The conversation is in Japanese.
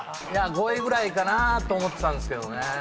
５位ぐらいかなと思ってたんですけどね。